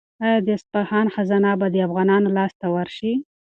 آیا د اصفهان خزانه به د افغانانو لاس ته ورشي؟